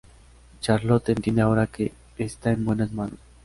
Charlot entiende ahora que está en buenas manos.